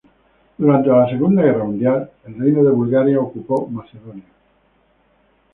Durante la Segunda Guerra Mundial el Reino de Bulgaria ocupó Macedonia.